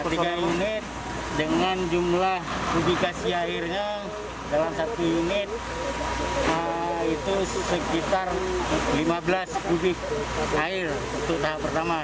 tiga unit dengan jumlah publikasi airnya dalam satu unit itu sekitar lima belas kubik air untuk tahap pertama